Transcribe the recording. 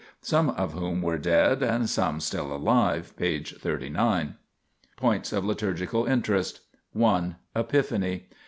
some of whom were dead and some still alive (p. 39). 10. POINTS OF LITURGICAL INTEREST 1. Epiphany.